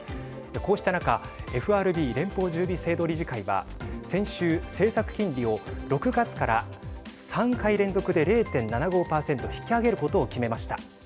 こうした中ＦＲＢ＝連邦準備制度理事会は先週、政策金利を６月から３回連続で０．７５％引き上げることを決めました。